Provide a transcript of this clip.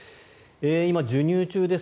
今、授乳中です。